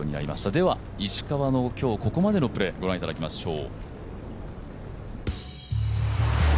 では、石川の今日ここまでのプレーご覧いただきましょう。